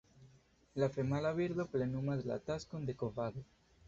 La femala birdo plenumas la taskon de kovado.